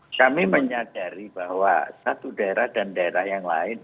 kami menyadari bahwa satu daerah dan daerah yang lain